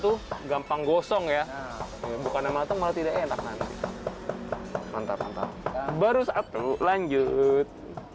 tuh gampang gosong ya bukannya matang malah tidak enak nana mantap mantap baru satu lanjut